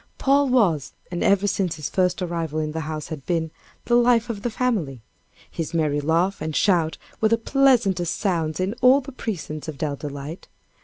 Paul was, and ever since his first arrival in the house had been, "the life of the family." His merry laugh and shout were the pleasantest sounds in all the precincts of Dell Delight.